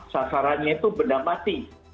sasarannya itu benar mati